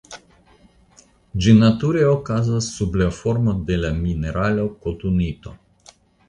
Ĝi nature okazas sub la formo de la mineralo kotunito.